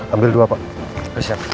ambil dua pak